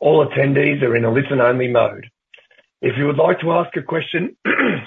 All attendees are in a listen-only mode. If you would like to ask a question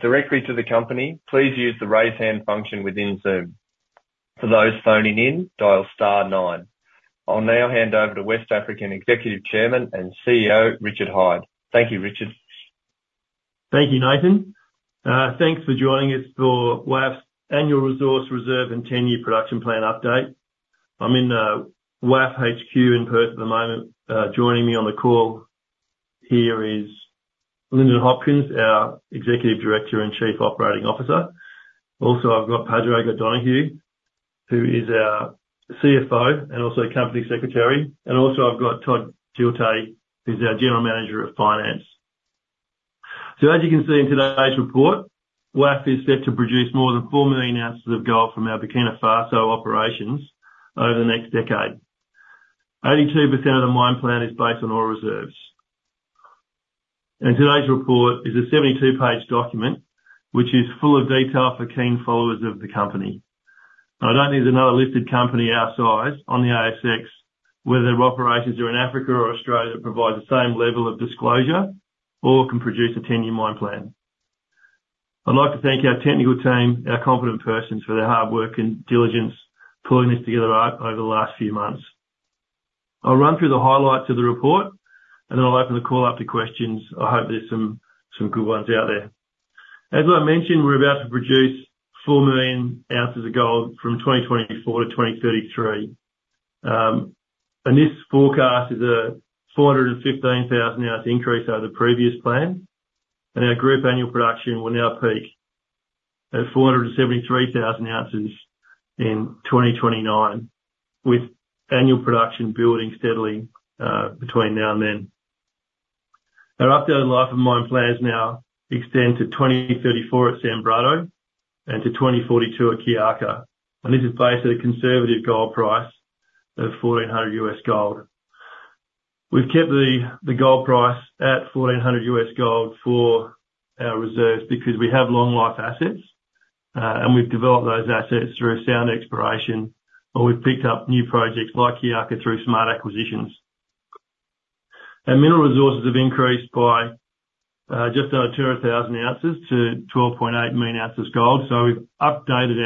directly to the company, please use the raise hand function within Zoom. For those phoning in, dial star nine. I'll now hand over to West African Executive Chairman and CEO Richard Hyde. Thank you, Richard. Thank you, Nathan. Thanks for joining us for WAF's annual resource reserve and 10-year production plan update. I'm in WAF HQ in Perth at the moment. Joining me on the call here is Lyndon Hopkins, our Executive Director and Chief Operating Officer. Also, I've got Padraig O'Donoghue, who is our CFO and also Company Secretary. And also I've got Todd Giltay, who's our General Manager of Finance. So as you can see in today's report, WAF is set to produce more than 4 million ounces of gold from our Burkina Faso operations over the next decade. 82% of the mine plan is based on ore reserves. And today's report is a 72-page document which is full of detail for keen followers of the company. I don't need another listed company our size on the ASX, whether their operations are in Africa or Australia, that provides the same level of disclosure or can produce a 10-year mine plan. I'd like to thank our technical team, our Competent Persons, for their hard work and diligence pulling this together over the last few months. I'll run through the highlights of the report, and then I'll open the call up to questions. I hope there's some good ones out there. As I mentioned, we're about to produce 4 million ounces of gold from 2024 to 2033. This forecast is a 415,000-ounce increase over the previous plan. Our group annual production will now peak at 473,000 ounces in 2029, with annual production building steadily between now and then. Our updated Life of Mine plans now extend to 2034 at Sanbrado and to 2042 at Kiaka. This is based on a conservative gold price of $1,400. We've kept the gold price at $1,400 for our reserves because we have long-life assets, and we've developed those assets through sound exploration, or we've picked up new projects like Kiaka through smart acquisitions. Mineral resources have increased by just under 200,000 ounces of gold. We've updated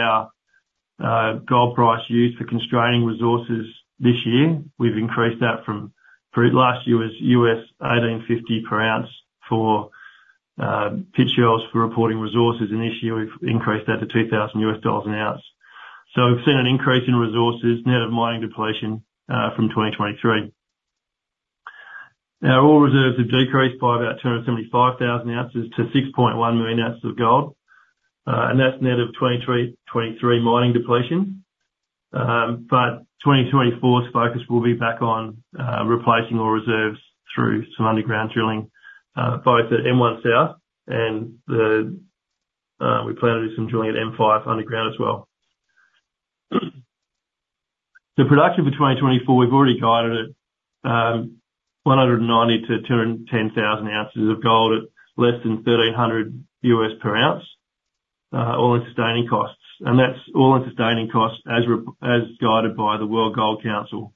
our gold price used for constraining resources this year. We've increased that from last year was $1,850 per ounce for pit shells for reporting resources. This year, we've increased that to $2,000 an ounce. We've seen an increase in resources net of mining depletion from 2023. Our ore reserves have decreased by about 275,000 ounces to 6.1 million ounces of gold. That's net of 2023 mining depletion. But 2024's focus will be back on replacing ore reserves through some underground drilling, both at M1 South and we plan to do some drilling at M5 underground as well. The production for 2024, we've already guided at 190,000-210,000 ounces of gold at less than $1,300 per ounce, all-in sustaining costs. And that's all-in sustaining costs as guided by the World Gold Council,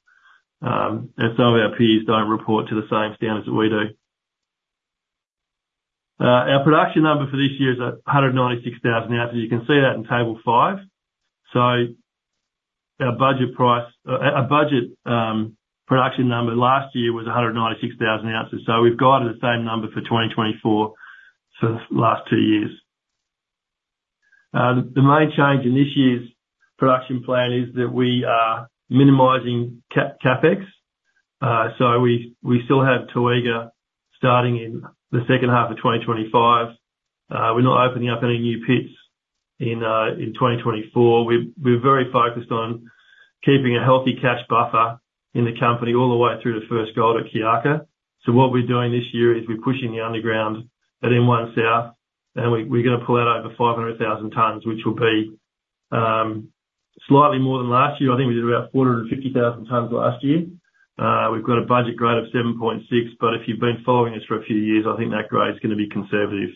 as some of our peers don't report to the same standards that we do. Our production number for this year is 196,000 ounces. You can see that in Table 5. So our budget production number last year was 196,000 ounces. So we've guided the same number for 2024 for the last two years. The main change in this year's production plan is that we are minimizing CAPEX. So we still have Toega starting in the second half of 2025. We're not opening up any new pits in 2024. We're very focused on keeping a healthy cash buffer in the company all the way through the first gold at Kiaka. So what we're doing this year is we're pushing the underground at M1 South, and we're going to pull out over 500,000 tonnes, which will be slightly more than last year. I think we did about 450,000 tonnes last year. We've got a budget grade of 7.6, but if you've been following us for a few years, I think that grade is going to be conservative.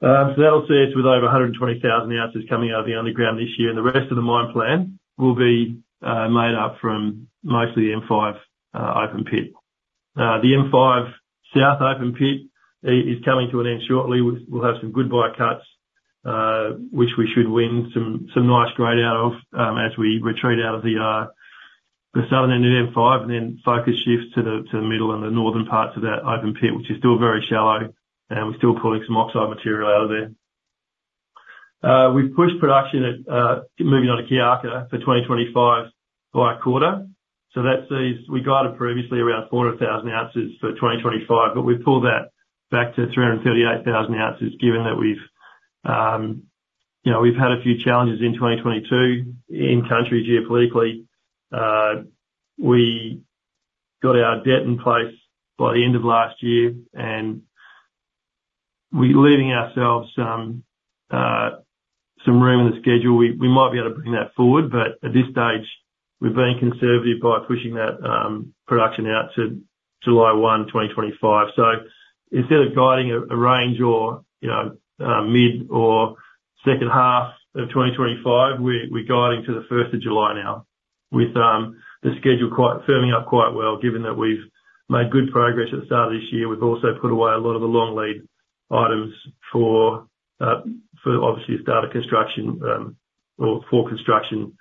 So that'll set us with over 120,000 ounces coming out of the underground this year. And the rest of the mine plan will be made up from mostly the M5 open pit. The M5 South open pit is coming to an end shortly. We'll have some good box cuts, which we should win some nice grade out of as we retreat out of the southern end of M5 and then focus shift to the middle and the northern parts of that open pit, which is still very shallow, and we're still pulling some oxide material out of there. We've pushed production at moving on to Kiaka for 2025 by a quarter. So we guided previously around 400,000 ounces for 2025, but we've pulled that back to 338,000 ounces, given that we've had a few challenges in 2022 in country geopolitically. We got our debt in place by the end of last year, and we're leaving ourselves some room in the schedule. We might be able to bring that forward, but at this stage, we're being conservative by pushing that production out to July 1, 2025. So instead of guiding a range or mid or second half of 2025, we're guiding to the 1st of July now, with the schedule firming up quite well, given that we've made good progress at the start of this year. We've also put away a lot of the long lead items for, obviously, start of construction or for construction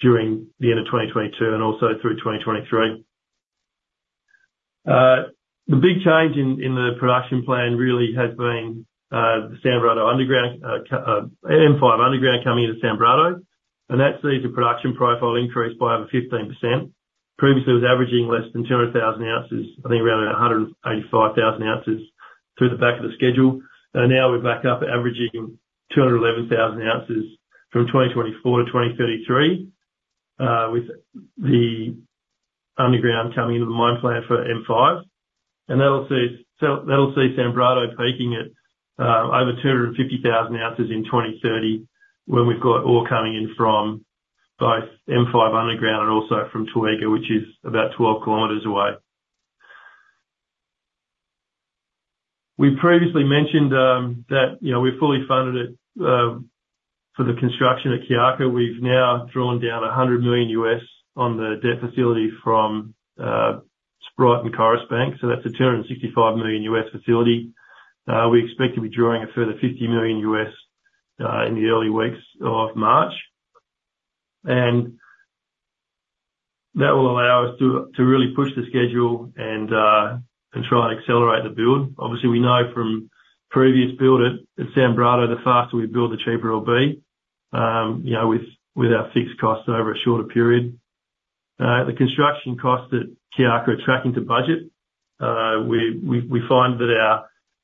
during the end of 2022 and also through 2023. The big change in the production plan really has been the Sanbrado underground M5 underground coming into Sanbrado. And that sees a production profile increase by over 15%. Previously, it was averaging less than 200,000 ounces, I think around 185,000 ounces through the back of the schedule. Now we're back up averaging 211,000 ounces from 2024 to 2033, with the underground coming into the mine plan for M5. That'll see Sanbrado peaking at over 250,000 ounces in 2030 when we've got ore coming in from both M5 underground and also from Toega, which is about 12 km away. We previously mentioned that we're fully funded for the construction at Kiaka. We've now drawn down $100 million on the debt facility from Sprott and Coris Bank. So that's a $265 million facility. We expect to be drawing a further $50 million in the early weeks of March. That will allow us to really push the schedule and try and accelerate the build. Obviously, we know from previous build at Sanbrado, the faster we build, the cheaper it'll be with our fixed costs over a shorter period. The construction costs at Kiaka are tracking to budget. We find that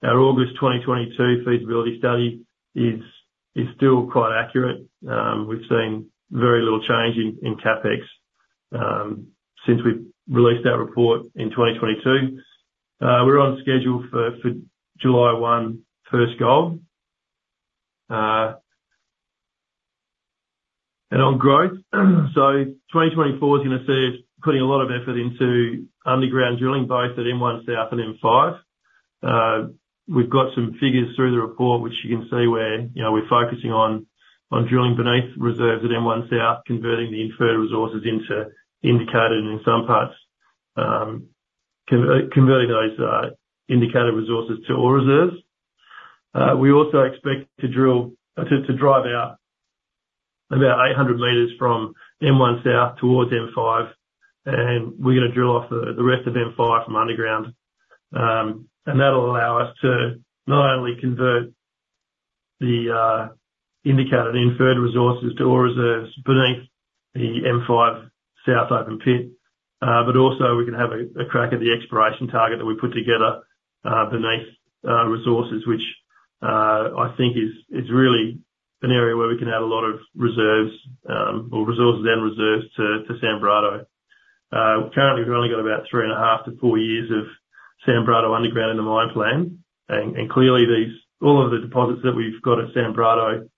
our August 2022 feasibility study is still quite accurate. We've seen very little change in CAPEX since we've released that report in 2022. We're on schedule for July 1 first gold. On growth, so 2024 is going to see us putting a lot of effort into underground drilling, both at M1 South and M5. We've got some figures through the report, which you can see where we're focusing on drilling beneath reserves at M1 South, converting the inferred resources into indicated, and in some parts, converting those indicated resources to ore reserves. We also expect to drive out about 800 meters from M1 South towards M5, and we're going to drill off the rest of M5 from underground. That'll allow us to not only convert the Indicated and Inferred resources to ore reserves beneath the M5 South open pit, but also we can have a crack at the exploration target that we put together beneath the resources, which I think is really an area where we can add a lot of reserves or resources and reserves to Sanbrado. Currently, we've only got about 3.5-four years of Sanbrado underground in the mine plan. And clearly, all of the deposits that we've got at Sanbrado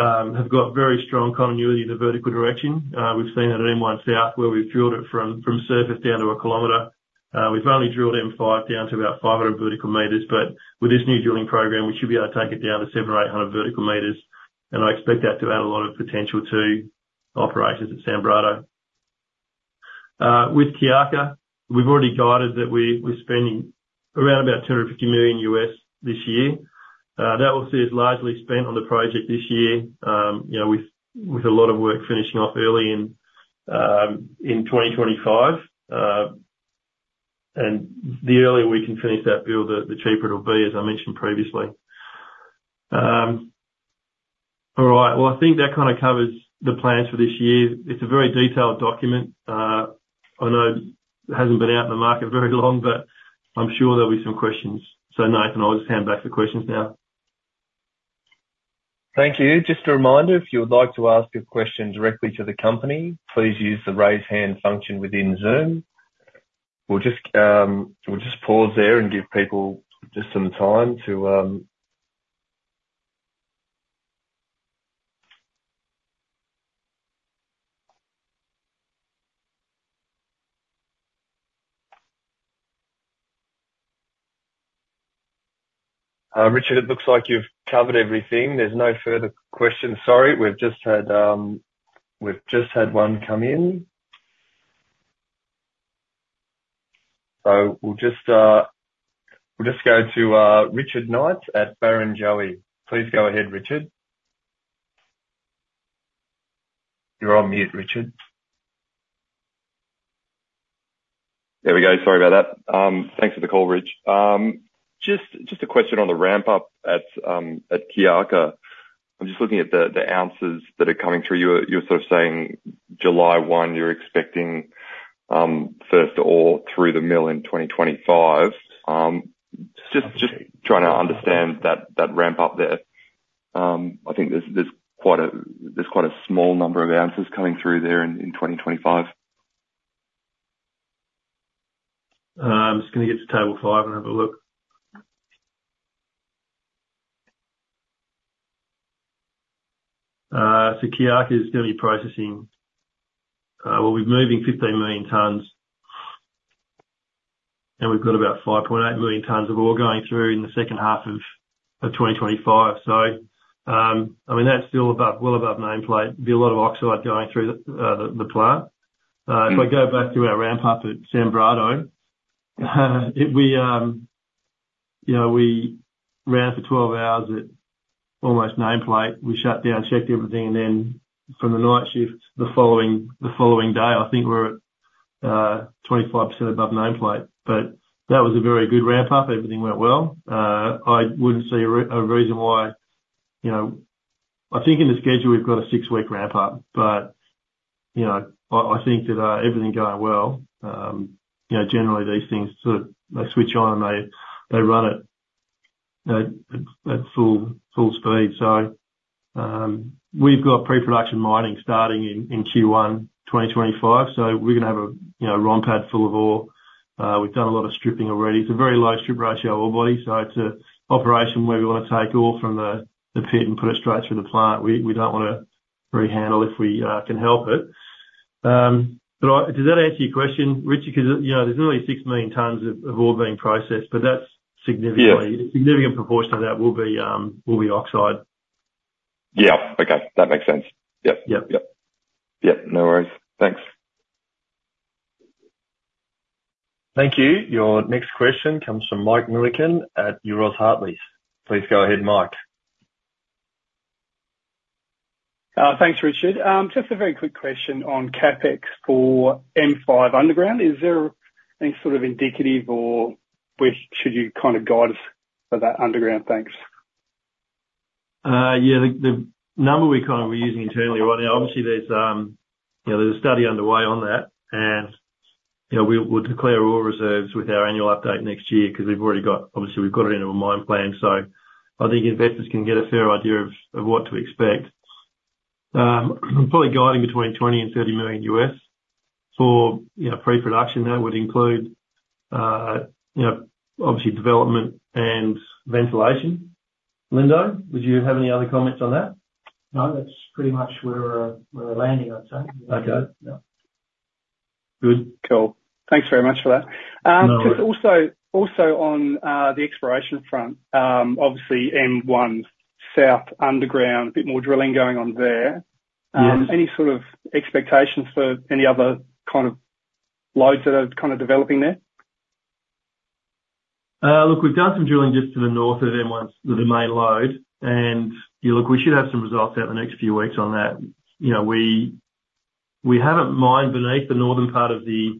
have got very strong continuity in the vertical direction. We've seen it at M1 South where we've drilled it from surface down to 1 kilometer. We've only drilled M5 down to about 500 vertical meters, but with this new drilling program, we should be able to take it down to 700-800 vertical meters. I expect that to add a lot of potential to operations at Sanbrado. With Kiaka, we've already guided that we're spending around about $250 million this year. That will see us largely spent on the project this year, with a lot of work finishing off early in 2025. And the earlier we can finish that build, the cheaper it'll be, as I mentioned previously. All right. Well, I think that kind of covers the plans for this year. It's a very detailed document. I know it hasn't been out in the market very long, but I'm sure there'll be some questions. So, Nathan, I'll just hand back to questions now. Thank you. Just a reminder, if you would like to ask a question directly to the company, please use the raise hand function within Zoom. We'll just pause there and give people just some time to. Richard, it looks like you've covered everything. There's no further questions. Sorry. We've just had one come in. So we'll just go to Richard Knight at Barrenjoey. Please go ahead, Richard. You're on mute, Richard. There we go. Sorry about that. Thanks for the call, Rich. Just a question on the ramp-up at Kiaka. I'm just looking at the ounces that are coming through. You were sort of saying July 1 you're expecting first of all through the mill in 2025. Just trying to understand that ramp-up there. I think there's quite a small number of ounces coming through there in 2025. I'm just going to get to Table 5 and have a look. So Kiaka is going to be processing well, we're moving 15 million tonnes, and we've got about 5.8 million tonnes of ore going through in the second half of 2025. So, I mean, that's still well above nameplate. There'll be a lot of oxide going through the plant. If I go back to our ramp-up at Sanbrado, we ran for 12 hours at almost nameplate. We shut down, checked everything, and then from the night shift the following day, I think we're at 25% above nameplate. But that was a very good ramp-up. Everything went well. I wouldn't see a reason why I think in the schedule, we've got a six-week ramp-up, but I think that everything going well. Generally, these things sort of they switch on and they run at full speed. So we've got pre-production mining starting in Q1 2025, so we're going to have a ROM pad full of ore. We've done a lot of stripping already. It's a very low strip ratio ore body, so it's an operation where we want to take ore from the pit and put it straight through the plant. We don't want to rehandle if we can help it. But did that answer your question, Richard? Because there's only 6 million tonnes of ore being processed, but a significant proportion of that will be oxide. Yeah. Okay. That makes sense. Yep. Yep. Yep. Yep. No worries. Thanks. Thank you. Your next question comes from Mike Millikan at Euroz Hartleys. Please go ahead, Mike. Thanks, Richard. Just a very quick question on CAPEX for M5 underground. Is there any sort of indicative or should you kind of guide us for that underground? Thanks. Yeah. The number we're using internally right now, obviously, there's a study underway on that, and we'll declare Ore Reserves with our annual update next year because we've already got obviously, we've got it into a mine plan, so I think investors can get a fair idea of what to expect. I'm probably guiding between $20 million-$30 million for pre-production. That would include, obviously, development and ventilation. Lyndon, would you have any other comments on that? No. That's pretty much where we're landing, I'd say. Okay. Good. Cool. Thanks very much for that. Also on the exploration front, obviously, M1 South underground, a bit more drilling going on there. Any sort of expectations for any other kind of loads that are kind of developing there? Look, we've done some drilling just to the north of M1, the main lode. Look, we should have some results out in the next few weeks on that. We haven't mined beneath the northern part of the—is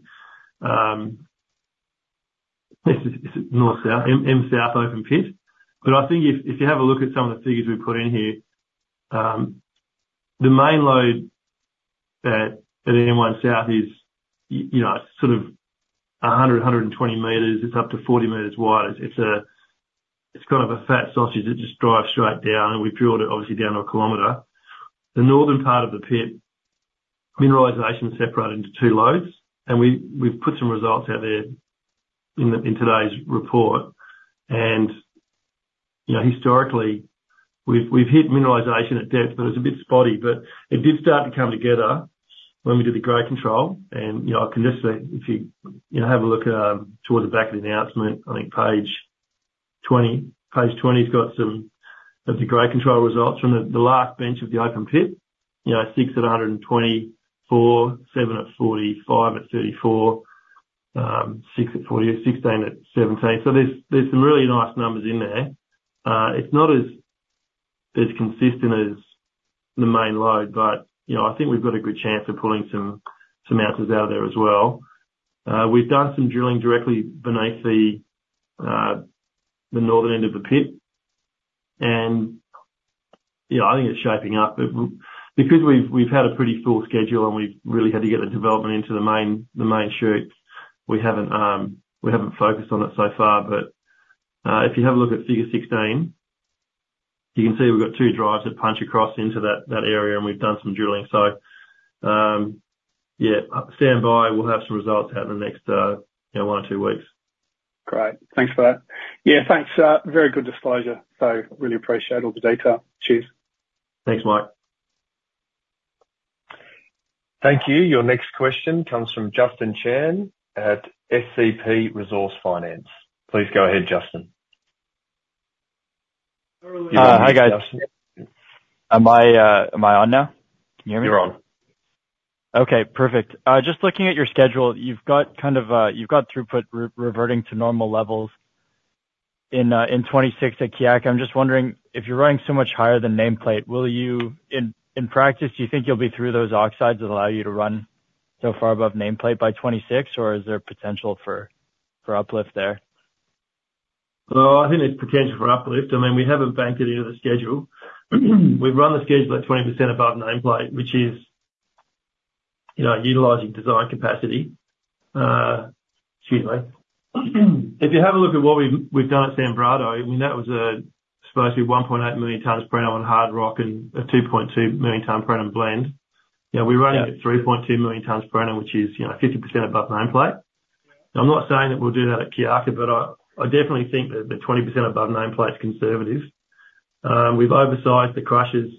it M1 South open pit? But I think if you have a look at some of the figures we put in here, the main lode at M1 South is sort of 100-120 meters. It's up to 40 meters wide. It's kind of a fat sausage. It just drives straight down, and we've drilled it, obviously, down to 1 kilometer. The northern part of the pit, mineralization is separated into two lodes, and we've put some results out there in today's report. Historically, we've hit mineralization at depth, but it was a bit spotty. But it did start to come together when we did the grade control. I can just say, if you have a look towards the back of the announcement, I think page 20. Page 20's got some of the grade control results from the last bench of the open pit: 6 at 124, 7 at 45, at 34, 6 at 48, 16 at 17. So there's some really nice numbers in there. It's not as consistent as the main lode, but I think we've got a good chance of pulling some ounces out of there as well. We've done some drilling directly beneath the northern end of the pit, and I think it's shaping up. But because we've had a pretty full schedule and we've really had to get the development into the main chute, we haven't focused on it so far. But if you have a look at figure 16, you can see we've got 2 drives that punch across into that area, and we've done some drilling. So yeah, stand by. We'll have some results out in the next one or two weeks. Great. Thanks for that. Yeah. Thanks. Very good disclosure. So really appreciate all the data. Cheers. Thanks, Mike. Thank you. Your next question comes from Justin Chan at SCP Resource Finance. Please go ahead, Justin. Hey, guys. Am I on now? Can you hear me? You're on. Okay. Perfect. Just looking at your schedule, you've got kind of throughput reverting to normal levels in 2026 at Kiaka. I'm just wondering, if you're running so much higher than nameplate, will you in practice, do you think you'll be through those oxides that allow you to run so far above nameplate by 2026, or is there potential for uplift there? Well, I think there's potential for uplift. I mean, we haven't banked it into the schedule. We've run the schedule at 20% above nameplate, which is utilizing design capacity. Excuse me. If you have a look at what we've done at Sanbrado, I mean, that was supposed to be 1.8 million tonnes per annum on hard rock and a 2.2 million tonnes per annum blend. We're running at 3.2 million tonnes per annum, which is 50% above nameplate. I'm not saying that we'll do that at Kiaka, but I definitely think that the 20% above nameplate's conservative. We've oversized the crushers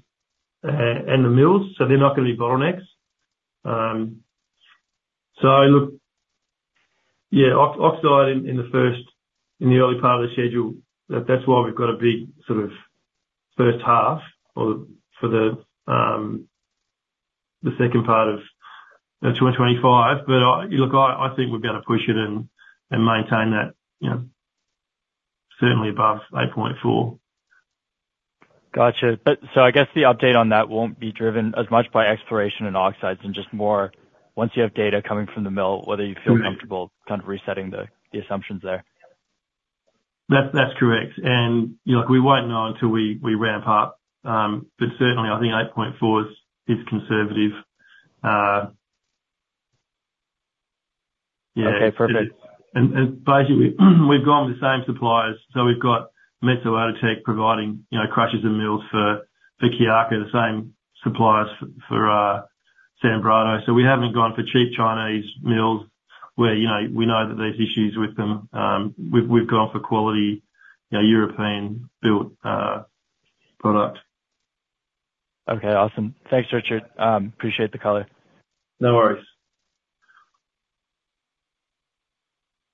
and the mills, so they're not going to be bottlenecks. So look, yeah, oxide in the early part of the schedule, that's why we've got a big sort of first half for the second part of 2025. But look, I think we've got to push it and maintain that certainly above 8.4. Gotcha. So I guess the update on that won't be driven as much by exploration and oxides and just more once you have data coming from the mill, whether you feel comfortable kind of resetting the assumptions there. That's correct. And look, we won't know until we ramp up. But certainly, I think 8.4 is conservative. Yeah. Okay. Perfect. Basically, we've gone with the same suppliers. We've got Metso Outotec providing crushers and mills for Kiaka, the same suppliers for Sanbrado. We haven't gone for cheap Chinese mills where we know that there's issues with them. We've gone for quality European-built product. Okay. Awesome. Thanks, Richard. Appreciate the color. No worries.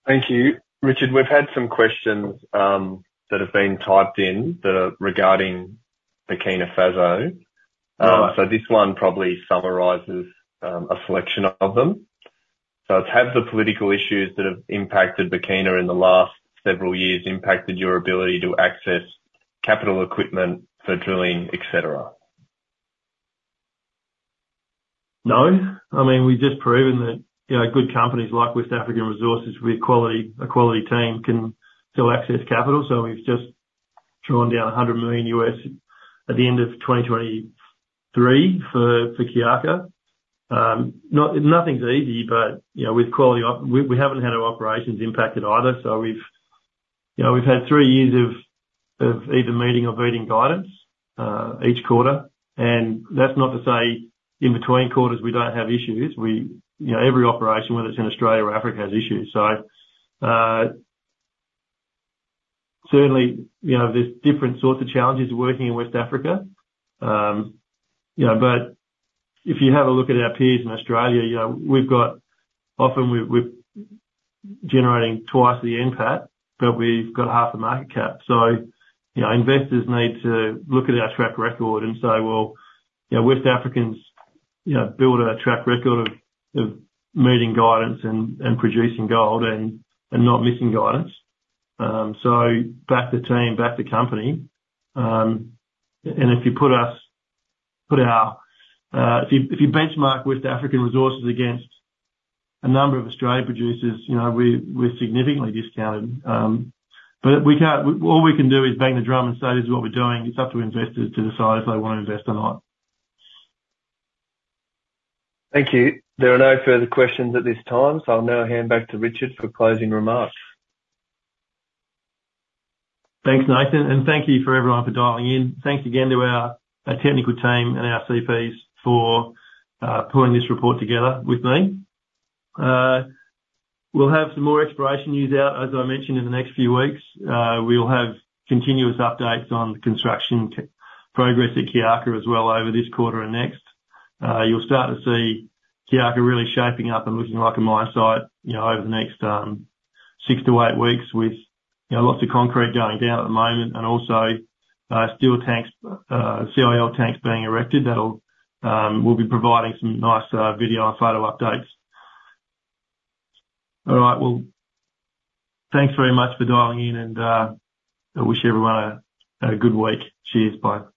Thank you. Richard, we've had some questions that have been typed in that are regarding Burkina Faso. This one probably summarises a selection of them. It's, "Have the political issues that have impacted Burkina Faso in the last several years impacted your ability to access capital equipment for drilling, etc.? No. I mean, we've just proven that good companies like West African Resources with a quality team can still access capital. So we've just drawn down $100 million at the end of 2023 for Kiaka. Nothing's easy, but with quality we haven't had our operations impacted either. So we've had three years of either meeting or beating guidance each quarter. And that's not to say in between quarters we don't have issues. Every operation, whether it's in Australia or Africa, has issues. So certainly, there's different sorts of challenges working in West Africa. But if you have a look at our peers in Australia, we've got often we're generating twice the NPAT, but we've got half the market cap. So investors need to look at our track record and say, "Well, West Africans built a track record of meeting guidance and producing gold and not missing guidance." So back the team, back the company. And if you benchmark West African Resources against a number of Australian producers, we're significantly discounted. But all we can do is bang the drum and say, "This is what we're doing." It's up to investors to decide if they want to invest or not. Thank you. There are no further questions at this time, so I'll now hand back to Richard for closing remarks. Thanks, Nathan. And thank you for everyone for dialing in. Thanks again to our technical team and our CPs for pulling this report together with me. We'll have some more exploration news out, as I mentioned, in the next few weeks. We'll have continuous updates on the construction progress at Kiaka as well over this quarter and next. You'll start to see Kiaka really shaping up and looking like a mine site over the next 6-8 weeks with lots of concrete going down at the moment and also still CIL tanks being erected. We'll be providing some nice video and photo updates. All right. Well, thanks very much for dialing in, and I wish everyone a good week. Cheers. Bye.